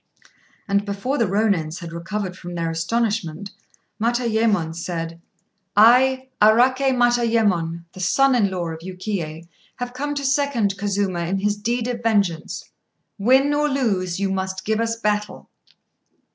And before the Rônins had recovered from their astonishment, Matayémon said "I, Araké Matayémon, the son in law of Yukiyé, have come to second Kazuma in his deed of vengeance. Win or lose, you must give us battle."